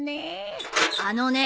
あのね